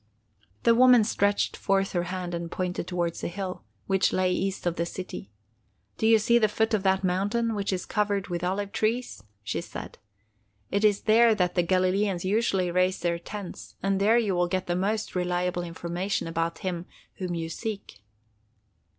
A woman stretched forth her hand and pointed towards a hill, which lay east of the city. "Do you see the foot of that mountain, which is covered with olive trees?" she said. "It is there that the Galileans usually raise their tents, and there you will get the most reliable information about him whom you seek."